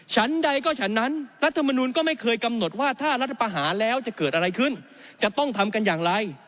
ฉันใดก็ฉันนั้นรัฐมนุนก็ไม่เคยกำหนดว่าถ้ารัฐประหารแล้วจะเกิดอะไรขึ้นจะต้องทำกันอย่างไร